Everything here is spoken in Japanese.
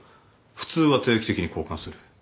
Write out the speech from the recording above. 普通は定期的に交換する。